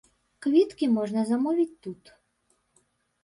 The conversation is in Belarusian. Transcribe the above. Квіткі можна замовіць тут.